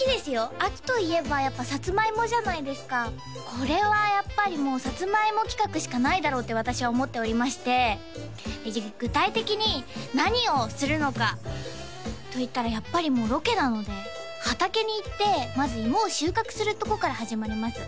秋といえばやっぱさつまいもじゃないですかこれはやっぱりもうさつまいも企画しかないだろうって私は思っておりまして具体的に何をするのかといったらやっぱりもうロケなので畑に行ってまずいもを収穫するとこから始まります